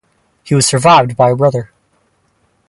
He was survived by a brother.